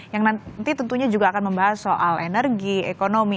yang nanti tentunya juga akan membahas soal energi ekonomi